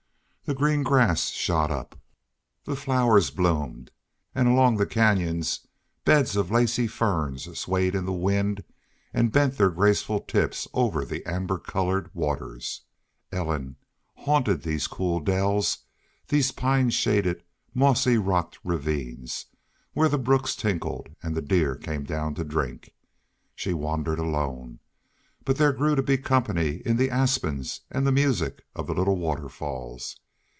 The green grass shot up, the flowers bloomed, and along the canyon beds of lacy ferns swayed in the wind and bent their graceful tips over the amber colored water. Ellen haunted these cool dells, these pine shaded, mossy rocked ravines where the brooks tinkled and the deer came down to drink. She wandered alone. But there grew to be company in the aspens and the music of the little waterfalls.